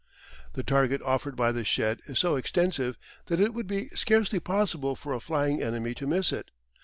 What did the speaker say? The target offered by the shed is so extensive that it would be scarcely possible for a flying enemy to miss it.